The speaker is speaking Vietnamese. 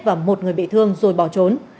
và một người bị thương rồi bỏ trốn